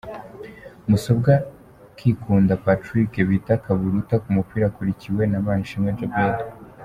Musombwa Kikunda Patrick bita Kaburuta ku mupira akurikiwe na Manishimwe Djabel .